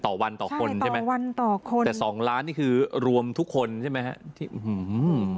ต่อวันต่อคนใช่ไหมคะแต่๒ล้านนี่คือรวมทุกคนใช่ไหมคะอื้อฮือ